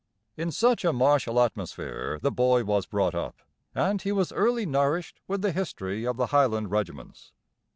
In such a martial atmosphere the boy was brought up, and he was early nourished with the history of the Highland regiments.